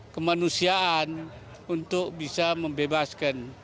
kemanusiaan untuk bisa membebaskan